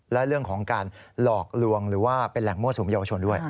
และเรื่องของการหลอกลวงหรือว่าเป็นแหล่งมั่วสุมเยาวชนด้วย